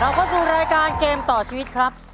เข้าสู่รายการเกมต่อชีวิตครับ